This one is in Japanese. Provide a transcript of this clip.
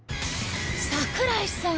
櫻井さん！